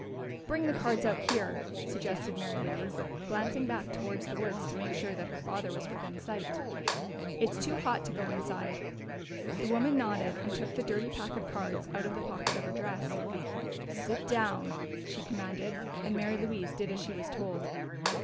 "Bring the cards out here," suggested Mary Louise, glancing back towards the woods to make sure that her father was within sight. "It's too hot to go inside." The woman nodded and took the dirty pack of cards out of the pocket of her dress. "Sit down," she commanded, and Mary Louise did as she was told.